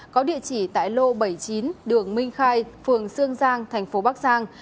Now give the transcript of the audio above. có địa chỉ tại lô bảy mươi chín đường minh khai phường sương giang thành phố bắc giang